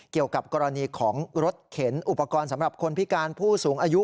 เกี่ยวกับกรณีของรถเข็นอุปกรณ์สำหรับคนพิการผู้สูงอายุ